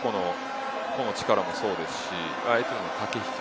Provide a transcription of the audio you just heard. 個々の力もそうですし相手への駆け引き